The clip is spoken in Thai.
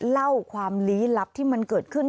เล่าความลี้ลับที่มันเกิดขึ้น